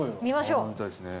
見ましょう。